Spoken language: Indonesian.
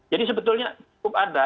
jadi sebetulnya cukup ada